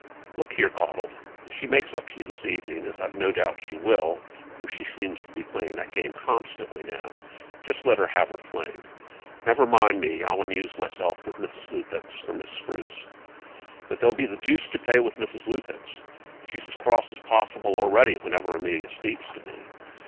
Look here, Caudle; if she makes up to you this evening, as I've no doubt she will, for she seems to be playing that game constantly now, just let her have her fling. Never mind me; I'll amuse myself with Mrs. Lupex, or Miss Spruce." "But there'll be the deuce to pay with Mrs. Lupex. She's as cross as possible already whenever Amelia speaks to me.